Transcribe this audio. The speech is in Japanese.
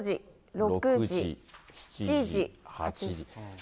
５時、６時、７時、８時。